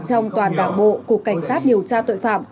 trong toàn đảng bộ cục cảnh sát điều tra tội phạm